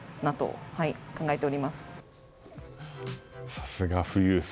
さすが富裕層。